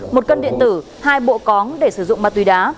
một cân điện tử hai bộ cóng để sử dụng ma túy đá